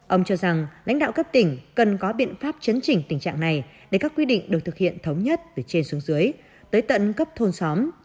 ông cho rằng lãnh đạo cấp tỉnh cần có biện pháp chấn chỉnh tình trạng này để các quy định được thực hiện thống nhất từ trên xuống dưới tới tận cấp thôn xóm